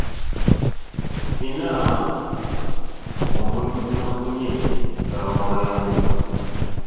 Nina omulimu gwenfunye e mitala w'amayanja.